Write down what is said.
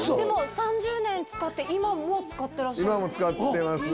３０年使って今も使ってらっしゃる？